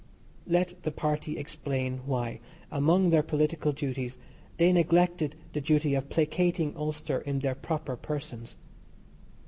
Let the Party explain why, among their political duties, they neglected the duty of placating Ulster in their proper persons.